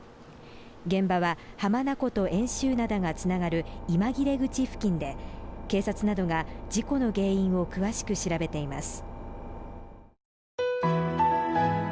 現場は浜名湖と遠州灘がつながる今切口付近で警察などが事故の原因を詳しく調べています。